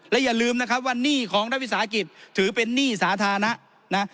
และอย่าลืมนะครับว่าหนี้ของนักวิสาหกิจถือเป็นหนี้สาธารณะนะ